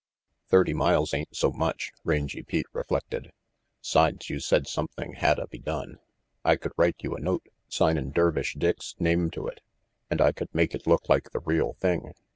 "Thirty mile ain't so much," Rangy Pete reflected. " 'Sides, you said something hadda be done. I could write you a note, signin' Dervish Dick's name to it, and I could make it look like the real thing.